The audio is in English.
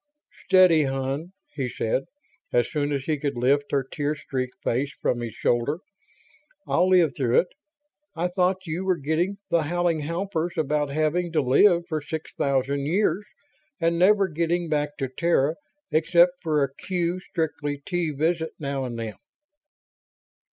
"Steady, hon," he said, as soon as he could lift her tear streaked face from his shoulder. "I'll live through it. I thought you were getting the howling howpers about having to live for six thousand years and never getting back to Terra except for a Q strictly T visit now and then."